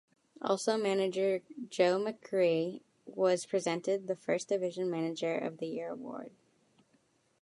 Also manager Joe McAree was presented the First Division Manager of the Year award.